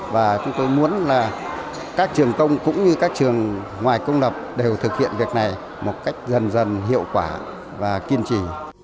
và chúng tôi muốn là các trường công cũng như các trường ngoài công lập đều thực hiện việc này một cách dần dần hiệu quả và kiên trì